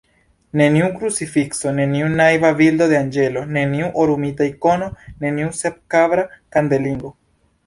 Neniu krucifikso, neniu naiva bildo de anĝelo, neniu orumita ikono, neniu sep-braka kandelingo.